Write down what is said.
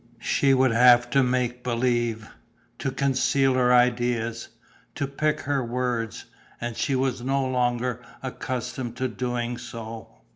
She would have to make believe, to conceal her ideas, to pick her words; and she was no longer accustomed to doing so.